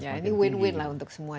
nah ini win win lah untuk semua